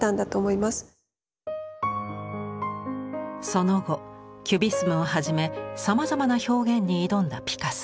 その後キュビスムをはじめさまざまな表現に挑んだピカソ。